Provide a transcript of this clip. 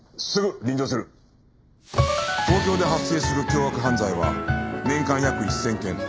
東京で発生する凶悪犯罪は年間約１０００件